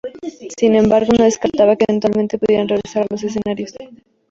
Sin embargo, no descartaba que eventualmente pudieran regresar a los escenarios.